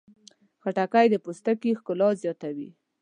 خټکی د پوستکي ښکلا زیاتوي.